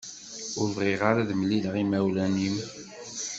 Ur bɣiɣ ara ad mlileɣ imawlan-im.